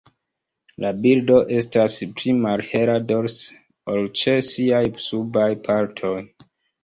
La birdo estas pli malhela dorse ol ĉe siaj subaj partoj.